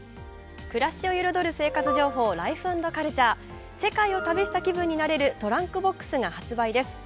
暮らしを彩る生活情報、「ライフ＆カルチャー」、世界を旅した気分になれるトランクボックスが発売です。